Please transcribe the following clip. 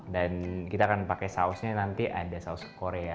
dan kita akan pakai sausnya nanti ada saus korea